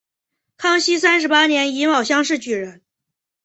康熙三十八年己卯乡试举人。